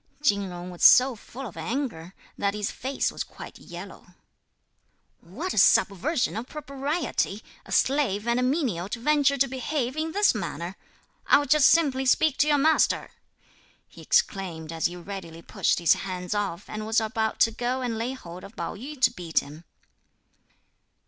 Chin Jung was so full of anger that his face was quite yellow. "What a subversion of propriety! a slave and a menial to venture to behave in this manner! I'll just simply speak to your master," he exclaimed as he readily pushed his hands off and was about to go and lay hold of Pao yü to beat him.